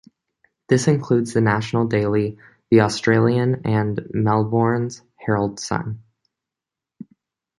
This includes the national daily "The Australian" and Melbourne's "Herald Sun".